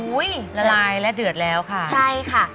ละลายและเดือดแล้วค่ะใช่ค่ะ